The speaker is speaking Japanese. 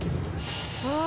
ああ。